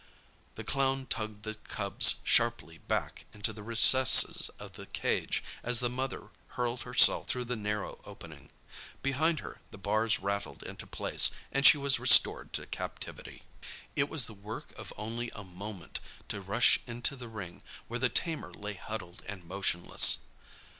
The clown tugged the cubs sharply back into the recesses of the cage as the mother hurled herself through the narrow opening. Behind her the bars rattled into place and she was restored to captivity. It was the work of only a moment to rush into the ring, where the tamer lay huddled and motionless.